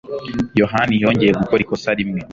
Yohani yongeye gukora ikosa rimwe.